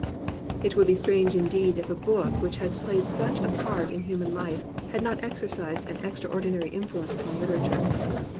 It would be strange indeed if a book which has played such a part in human life had not exercised an extraordinary influence upon hterature.